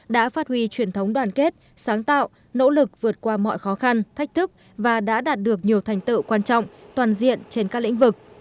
đã phát huy truyền thống đoàn kết sáng tạo nỗ lực vượt qua mọi khó khăn thách thức và đã đạt được nhiều thành tựu quan trọng toàn diện trên các lĩnh vực